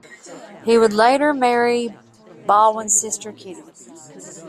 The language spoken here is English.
He would later marry Baldwin's sister, Kitty.